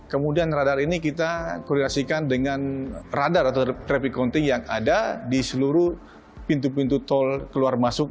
kemudian radar ini kita koordinasikan dengan radar atau traffic counting yang ada di seluruh pintu pintu tol keluar masuk